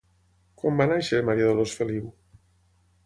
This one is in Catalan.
Quan va néixer Maria Dolors Feliu?